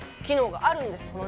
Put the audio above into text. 機能があるんです